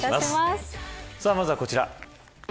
まずは、こちら。